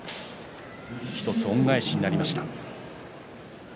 １つ恩返しになりました。